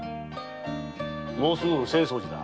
もうすぐ浅草寺だ。